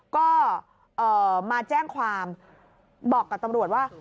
ก็มาแจ้งความบอกกับตำรวจว่า